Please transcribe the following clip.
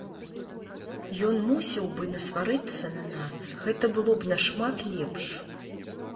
Ён мусіў бы насварыцца на нас, гэта было б нашмат лепш!